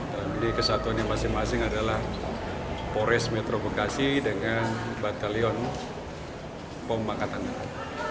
dan di kesatuan yang masing masing adalah polres metro bekasi dengan batalion pembangkatan darat